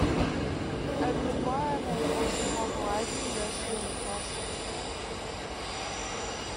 A Gurdwara may also have a library, nursery, and classroom.